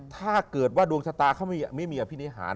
ถ้าเกิดว่าดวงชะตาเขาไม่มีอภินิหาร